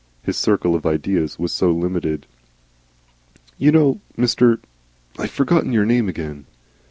His circle of ideas was so limited. "You know, Mr. I've forgotten your name again."